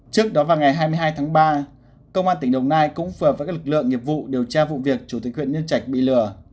trước đó vào ngày hai mươi hai tháng ba công an tỉnh đồng nai cũng phờ và các lực lượng nghiệp vụ điều tra vụ việc chủ tịch huyện nhân trạch bị lừa